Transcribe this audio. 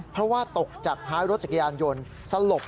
เพราะว่าตกจากท้ายรถจักรยานยนต์สลบ